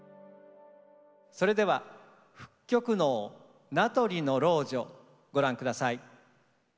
それでは復曲能「名取ノ老女」ご覧下さい。